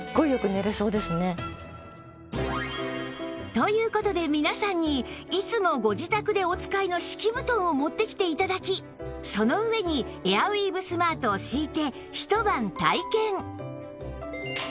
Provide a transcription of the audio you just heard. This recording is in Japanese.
という事で皆さんにいつもご自宅でお使いの敷き布団を持ってきて頂きその上にエアウィーヴスマートを敷いてひと晩体験